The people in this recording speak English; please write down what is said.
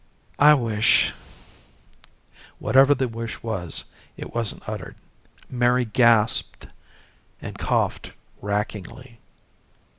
I wish " Whatever the wish was, it wasn't uttered. Mary gasped and coughed rackingly.